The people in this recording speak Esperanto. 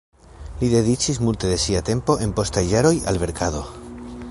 Li dediĉis multe de sia tempo en postaj jaroj al verkado.